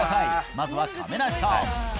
まずは亀梨さん。